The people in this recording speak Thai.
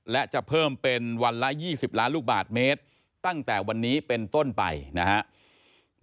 และจะเพิ่มเป็นวันละ๒๐ล้านลูกบาทเมตรตั้งแต่วันนี้เป็นต้นไปนะครับ